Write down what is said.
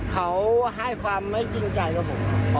เขาให้ความไม่จริงใจกับผม